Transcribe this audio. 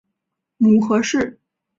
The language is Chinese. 母何氏。